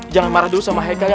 jangan marah dulu sama haikal ya